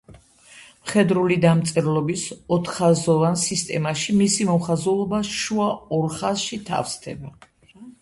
მხედრული დამწერლობის ოთხხაზოვან სისტემაში მისი მოხაზულობა შუა ორ ხაზში თავსდება.